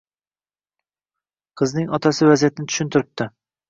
Qizning otasi vaziyatni tushuntiribdi